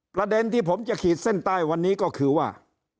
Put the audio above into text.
ประเด็นที่ผมจะขีดเส้นใต้วันนี้ก็คือว่า